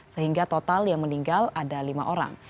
sehingga total yang meninggal ada lima orang